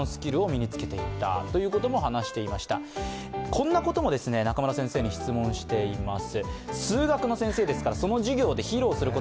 こんなことも中村先生に質問しています。